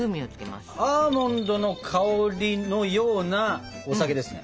アーモンドの香りのようなお酒ですね？